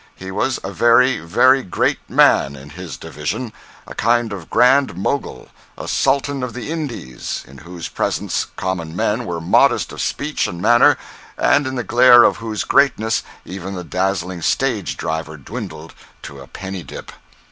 He was a very, very great man in his "division"—a kind of Grand Mogul, a Sultan of the Indies, in whose presence common men were modest of speech and manner, and in the glare of whose greatness even the dazzling stage driver dwindled to a penny dip.